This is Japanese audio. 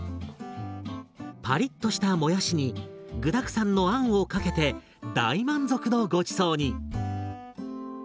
パリッとしたもやしに具だくさんのあんをかけて大満足のごちそうに！